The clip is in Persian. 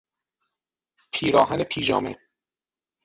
پیراهن پیژامه